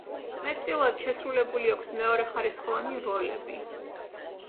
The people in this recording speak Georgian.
მეტწილად შესრულებული აქვს მეორეხარისხოვანი როლები.